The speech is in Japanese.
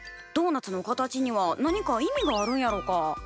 ドーナツの形には何か意味があるんやろか？